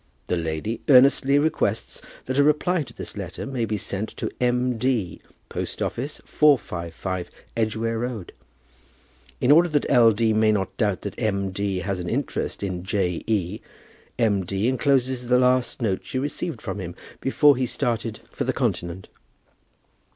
The lady earnestly requests that a reply to this question may be sent to M. D., Post office, 455 Edgware Road. In order that L. D. may not doubt that M. D. has an interest in J. E., M. D. encloses the last note she received from him before he started for the Continent."